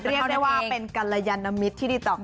เรียกได้ว่าเป็นกัลยันมิตรที่ดีต่อกัน